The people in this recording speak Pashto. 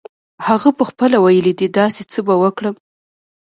هغه پخپله ویلې دي داسې څه به وکړم.